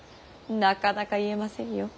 なかなか言えませんよ。